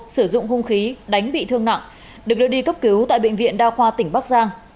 sử dụng hung khí đánh bị thương nặng được đưa đi cấp cứu tại bệnh viện đa khoa tỉnh bắc giang